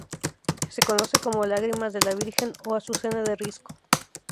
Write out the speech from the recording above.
Se conoce como "lágrimas de la Virgen o azucena de risco".